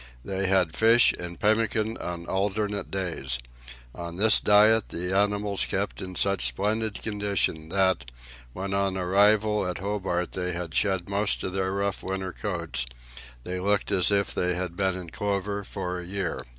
They had fish and pemmican on alternate days. On this diet the animals kept in such splendid condition that, when on arrival at Hobart they had shed most of their rough winter coats, they looked as if they had been in clover for a year.